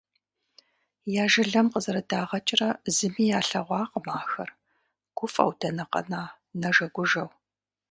Я жылэм къызэрыдагъэкӀрэ зыми илъэгъуакъым ахэр, гуфӀэу дэнэ къэна, нэжэгужэу.